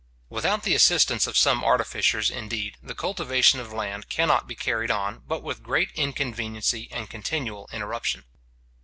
Without the assistance of some artificers, indeed, the cultivation of land cannot be carried on, but with great inconveniency and continual interruption.